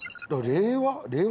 令和？